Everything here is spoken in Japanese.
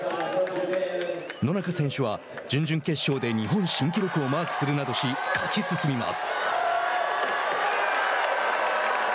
野中選手は、準々決勝で日本新記録をマークするなどし勝ち進みます。